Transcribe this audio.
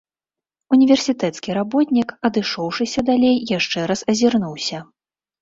Універсітэцкі работнік, адышоўшыся далей, яшчэ раз азірнуўся.